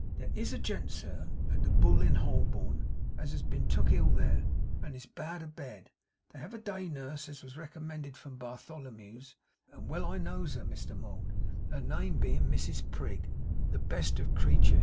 There IS a gent, sir, at the Bull in Holborn, as has been took ill there, and is bad abed. They have a day nurse as was recommended from Bartholomew's; and well I knows her, Mr Mould, her name bein' Mrs Prig, the best of creeturs.